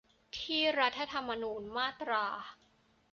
ที่รัฐธรรมนูญมาตรา